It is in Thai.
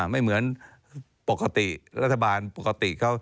ไม่เหมือนปกติรัฐบาลปกติเขา